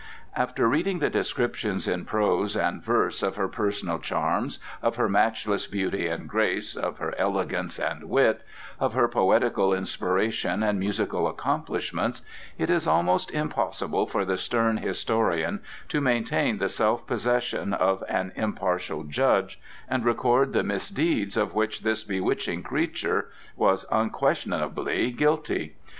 After reading the descriptions in prose and verse of her personal charms, of her matchless beauty and grace, of her elegance and wit, of her poetical inspiration and musical accomplishments, it is almost impossible for the stern historian to maintain the self possession of an impartial judge and record the misdeeds of which this bewitching creature was unquestionably guilty.